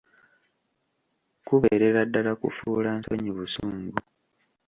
Kubeerera ddala kufuula nsonyi busungu.